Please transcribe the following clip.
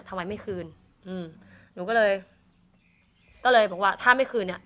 ทำไมไม่คืนอืมหนูก็เลยก็เลยบอกว่าถ้าไม่คืนเนี้ย